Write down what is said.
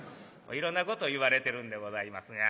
いろんなこと言われてるんでございますが。